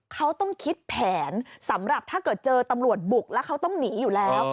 เขาต้องคิดแผนสำหรับถ้าเกิดเจอตำรวจบุกแล้วเขาต้องหนีอยู่แล้ว